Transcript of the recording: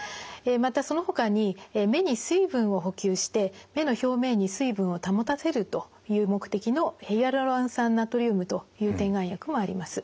またそのほかに目に水分を補給して目の表面に水分を保たせるという目的のヒアルロン酸ナトリウムという点眼薬もあります。